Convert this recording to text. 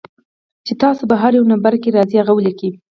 چې تاسو پۀ هر يو نمبر کښې راځئ هغه وليکئ